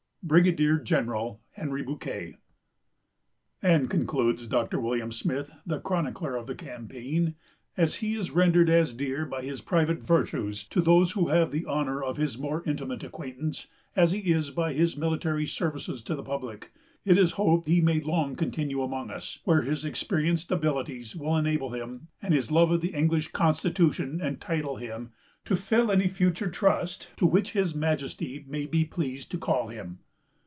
"BRIGADIER GENERAL HENRY BOUQUET." "And," concludes Dr. William Smith, the chronicler of the campaign, "as he is rendered as dear by his private virtues to those who have the honor of his more intimate acquaintance, as he is by his military services to the public, it is hoped he may long continue among us, where his experienced abilities will enable him, and his love of the English constitution entitle him, to fill any future trust to which his Majesty may be pleased to call him."